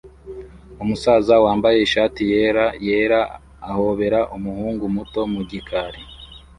Umusaza wambaye ishati yera yera ahobera umuhungu muto mu gikari